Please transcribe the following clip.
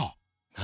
何？